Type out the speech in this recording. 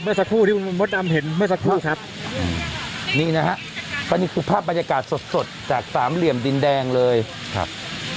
สักครู่ที่คุณมดดำเห็นเมื่อสักครู่ครับนี่นะฮะก็นี่คือภาพบรรยากาศสดสดจากสามเหลี่ยมดินแดงเลยครับ